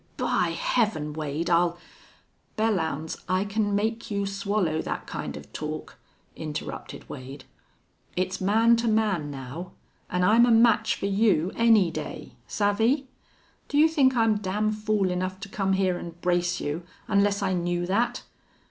"By Heaven! Wade, I'll " "Belllounds, I can make you swallow that kind of talk," interrupted Wade. "It's man to man now. An' I'm a match for you any day. Savvy?... Do you think I'm damn fool enough to come here an' brace you unless I knew that.